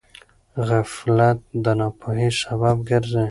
غفلت د ناپوهۍ سبب ګرځي.